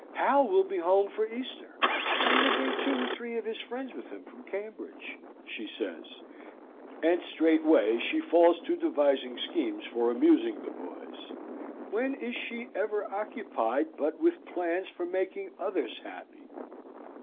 "Hal will be home for Easter; he will bring two or three of his friends with him from Cambridge," she says. And straightway she falls to devising schemes for amusing the boys. When is she ever occupied, but with plans for making others happy?